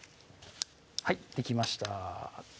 はいできました